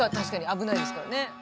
危ないですからね。